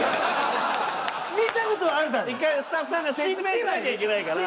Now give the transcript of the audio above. １回スタッフさんが説明しなきゃいけないからね。